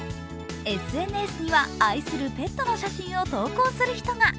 ＳＮＳには愛するペットの写真を投稿する人が。